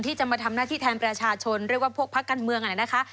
ที่จะมาทำหน้าที่แทนประชาชนเรียกว่าพวกพักการเมืองนะคะ